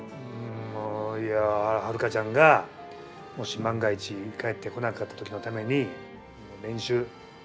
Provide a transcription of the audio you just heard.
いやハルカちゃんがもし万が一帰ってこなかった時のために練習。